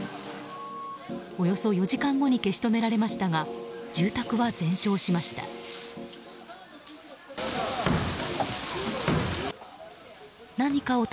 およそ４時間後に消し止められましたが住宅は全焼しました。